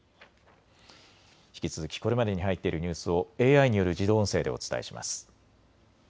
引き続きこれまでに入っているニュースをＡＩによる自動音声でお伝えします。